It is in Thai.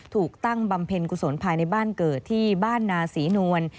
ถูกตั้งบำเพ็ญกุศลภายในบ้านเกิดที่บ้านนาศรีนวล